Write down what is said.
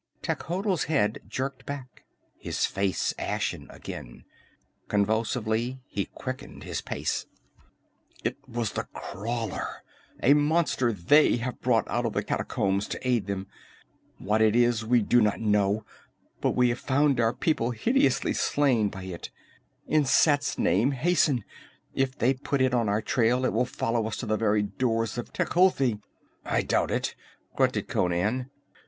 Techotl's head jerked back, his face ashy again. Convulsively he quickened his pace. "It was the Crawler! A monster they have brought out of the catacombs to aid them! What it is, we do not know, but we have found our people hideously slain by it. In Set's name, hasten! If they put it on our trail, it will follow us to the very doors of Tecuhltli!" "I doubt it," grunted Conan.